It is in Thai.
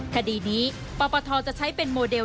คดีนี้ปปทจะใช้เป็นโมเดล